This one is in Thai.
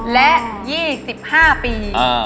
และ๒๕ปี